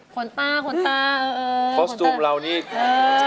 คนต้าคนต้าเออคอสตูมเรานี่เออ